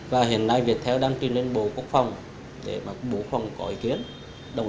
và hiện nay viettel đang tin lên bộ quốc phòng để mà bộ quốc phòng có ý kiến đồng ý